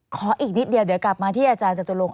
ขออีกนิดเดียวเดี๋ยวกลับมาที่อาจารย์จตุลง